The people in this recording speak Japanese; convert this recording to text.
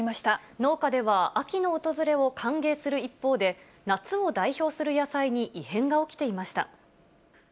農家では、秋の訪れを歓迎する一方で、夏を代表する野菜に異変が起きていました。